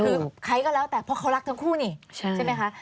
ไงก็แล้วแต่เพราะเขารักเตือนคู่นี่ใช่ไหมคะ